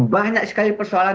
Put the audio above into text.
banyak sekali persoalan